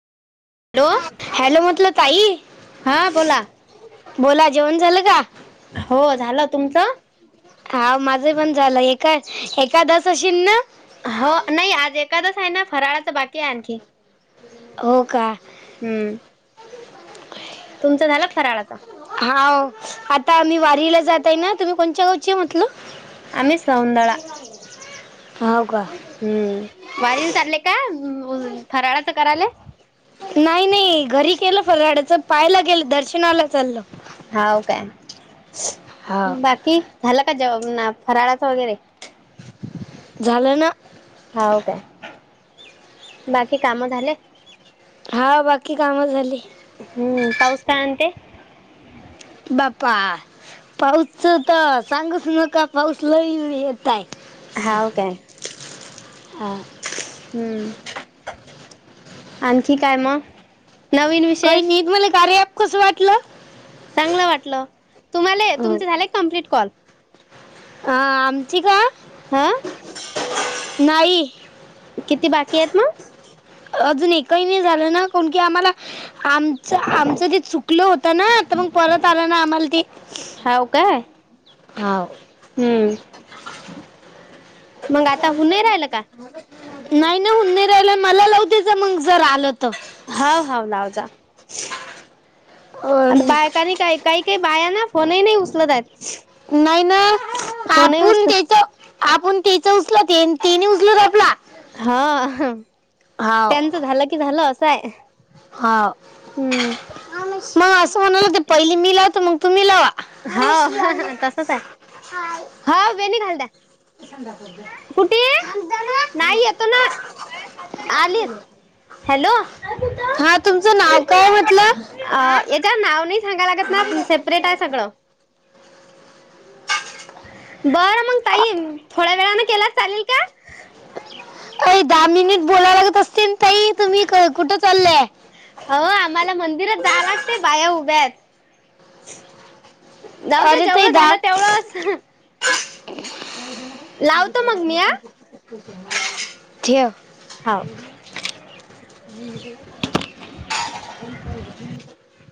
Hello hello म्हटलं ताई, हा बोला बोला जेवण झालं का? हो झालं, तुमचं? हा माझं पण झालं एका एकादस अशील ना? हो नाही आज एखादस आहे ना फराळाचं बाकी आहे आणखी. हो का? हम्म. तुमचं झालं फराळ? हाव, आता आम्ही वारीला जातय ना तुम्ही कोणच्या गावची म्हट्लं? आम्ही सौंदळा- हाव का हम्म, वारीला चाल्ले का फराळाचं करायचं. नाही नाही घरी केलं फराळाचा पायला गेलं दर्शनाला चाललं. हाव काय, हा बाकी झालं का जव ना फराळाचं वगैरे, झालं ना. हो काय. बाकी काम झाले? हा बाकी काम झाली हम्म पाऊस काय बाप्पा पाऊसच तर सांगूस नका पाऊस लई तय [inaudible] हाव काय हम्म, आणखी काय मग? नवीन काही विशेष नाही. मले कार्या ॲप कसं वाटलं? चांगलं वाटलं. तुम्हाला तुमचे झाले कम्प्लीट कॉल? हा आमची का हा नाही. किती बाकी आहेत मग? अजून एकही नाही झालं ना, कोण की आम्हाला आमच, आमचं ते चुकलं होतं ना तर मग परत आला ना आम्हाला ते- हाव काय. हा हम्म मग आता होऊन नाही राहिलं का [inaudible] नाही नाही हन्नी राहिला, मला लावतेच मग जर आलं तर. हा हा लाव जा. अं, का काही काही काही बायां ना फोनही नाही उचलत आहेत. नाही ना, फोनही आपुण उचलत त्यांच्या आपण तेच उचलते तिने उचलत आपला. हा, हाव त्यांचं झालं की झालं असंय. हा. मग असं म्हनलागते पहिली मी लावत तूम्ही लावा. हा तसंच आहे, हा वेणी घालत्या. ांड नाही येतो ना ना आलीच [inaudible] हॅलो नाव काय म्हटलं यांच्या नाव नाही सांगाय लागत ना स्प्रेट आहे सगळं. बरं मग अ- ताई थोड्या वेळाने केला चालेल का? अ दहा मिनिट बोला लागत असतील ताई तुम्ही कुठं चाललंय? हो आम्हाला मंदिरात जा लागते बाया उभ्यात. जाऊदे जेवढं झालं तेवढंच. लावतो मग भारत मी हा माध्यम [inaudible] ठेव. हाव ह पणप घून [inaudible]